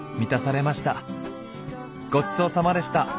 ごちそうさまでした！